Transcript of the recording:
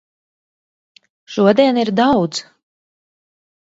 Šodien ir daudz.